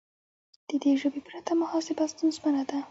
د دې ژبې پرته محاسبه ستونزمنه ده.